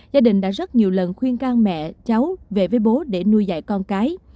gia đình đã rất nhiều lần khuyên can mẹ cháu về với bố để nuôi dạy con cái